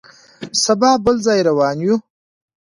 سبا بل ځای روان یو.